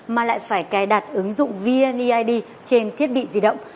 mà lại phải cài đặt ứng dụng vneid trên thiết bị di động